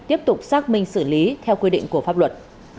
tiếp tục xác minh xử lý theo quy định của pháp luật